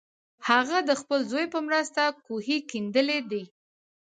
هغه د خپل زوی په مرسته کوهی کیندلی دی.